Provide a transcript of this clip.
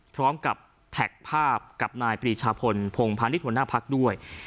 พร้อมกับแท็กภาพกับนายปรีชาพลพงพาณิชย์หัวหน้าพักด้วย